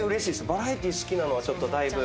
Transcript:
バラエティー好きなのはだいぶ。